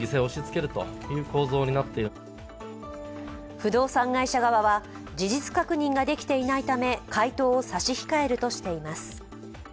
不動産会社側は、事実確認ができていないため回答を差し控えるとしています。